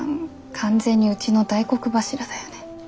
完全にうちの大黒柱だよね。